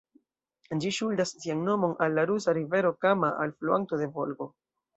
Ĝi ŝuldas sian nomon al la rusa rivero Kama, alfluanto de Volgo.